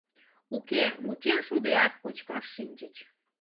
Уке, вучен шудеак, кочкаш шинчыч.